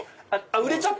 売れちゃった？